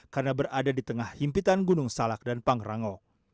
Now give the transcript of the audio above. karena berada di tengah himpitan gunung salak dan pangrango